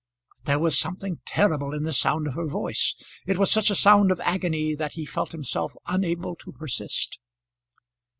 But there was something terrible in the sound of her voice. It was such a sound of agony that he felt himself unable to persist.